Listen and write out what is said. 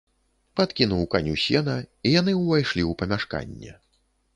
Падкінуў каню сена, і яны ўвайшлі ў памяшканне.